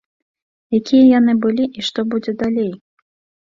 Якія яны былі і што будзе далей?